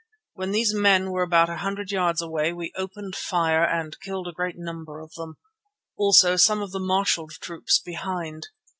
When these men were about a hundred yards away we opened fire and killed a great number of them, also some of the marshalled troops behind.